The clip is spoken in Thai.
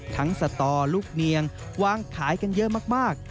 สตอลูกเนียงวางขายกันเยอะมาก